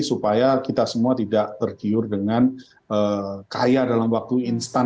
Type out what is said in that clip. supaya kita semua tidak tergiur dengan kaya dalam waktu instan